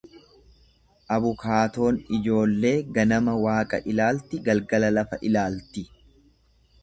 Abukaatoon ijoollee ganama Waaqa ilaalti galgala lafa ilaalti.